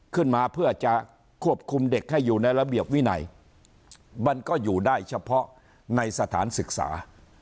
ขึ้นมาเพื่อจะควบคุมเด็กให้อยู่ในระเบียบวินัยมันก็อยู่ได้เฉพาะในสถานศึกษา